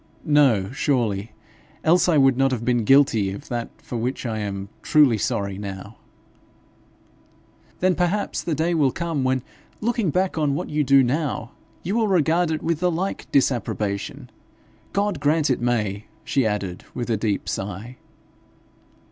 'No, surely; else I would not have been guilty of that for which I am truly sorry now.' 'Then, perhaps, the day will come when, looking back on what you do now, you will regard it with the like disapprobation. God grant it may!' she added, with a deep sigh.